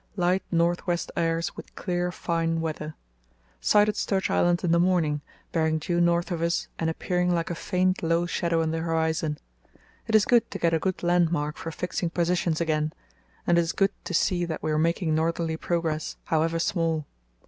Light north west airs with clear, fine weather. Sighted Sturge Island in the morning, bearing due north of us and appearing like a faint low shadow on the horizon. It is good to get a good landmark for fixing positions again, and it is good to see that we are making northerly progress, however small.